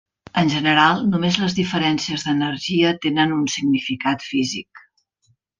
En general només les diferències d'energia tenen un significat físic.